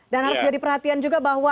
dan harus jadi perhatian juga bahwa